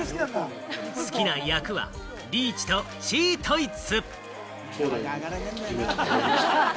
好きな役は、リーチとチートイツ。